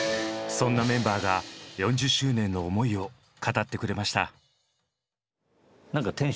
そんなメンバーが４０周年の思いを語ってくれました。